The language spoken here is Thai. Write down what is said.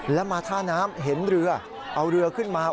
แล้วมาท่าน้ำเห็นเรือเอาเรือขึ้นมา